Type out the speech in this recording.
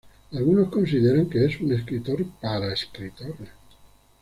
Algunos consideran que es "un escritor para escritores".